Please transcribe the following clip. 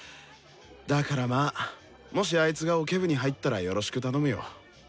だからまあもしあいつがオケ部に入ったらよろしく頼むよ。